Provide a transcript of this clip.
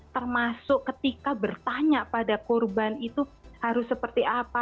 termasuk ketika bertanya pada korban itu harus seperti apa